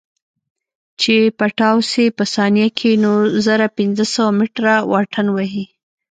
چې پټاو سي په ثانيه کښې نو زره پنځه سوه مټره واټن وهي.